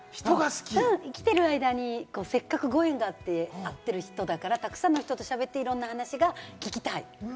生きてる間にせっかく、ご縁があって会ってる人だから、たくさんの人と喋っていろんな話が聞きたい。